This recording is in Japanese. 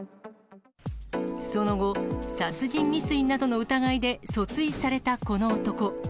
その後、殺人未遂などの疑いで訴追されたこの男。